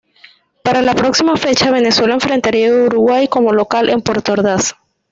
Para la próxima fecha Venezuela enfrentaría a Uruguay como local en Puerto Ordaz.